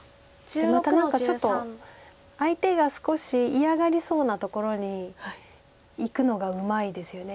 でまた何かちょっと相手が少し嫌がりそうなところにいくのがうまいですよね。